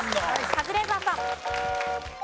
カズレーザーさん。